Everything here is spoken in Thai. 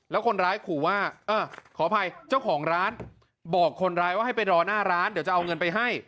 แล้วคนร้ายขู่ว่าเออขออภัยเจ้าของร้านบอกคนร้ายว่าให้ไปรอหน้าร้านเดี๋ยวจะเอาเงินไปให้